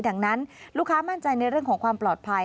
ดังนั้นลูกค้ามั่นใจในเรื่องของความปลอดภัย